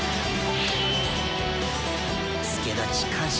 助太刀感謝。